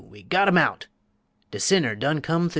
We got him out, De sinner done come thu!